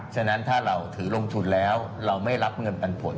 ฉะนั้นถ้าเราถือลงทุนแล้วเราไม่รับเงินปันผล